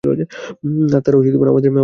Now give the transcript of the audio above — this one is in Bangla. আর তারা আমাদের পথটা দেখিয়েছে।